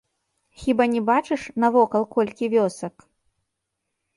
Хіба не бачыш, навокал колькі вёсак?